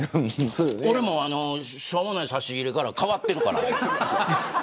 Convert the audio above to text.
俺もしょうもない差し入れから変わってるから。